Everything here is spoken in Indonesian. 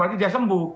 berarti dia sembuh